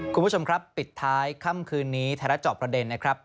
คุณผู้ชมครับปิดท้ายค่ำคืนนี้ไทยรัฐจอบประเด็นนะครับ